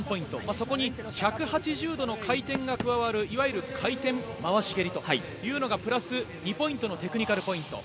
そこに１８０度の回転が加わるいわゆる回転回し蹴りというのがプラス２ポイントのテクニカルポイント。